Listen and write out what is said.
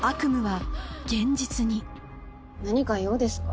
何か用ですか？